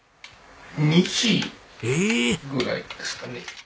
２時ぐらいですかね。